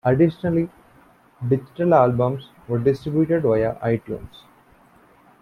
Additionally, digital albums are distributed via iTunes.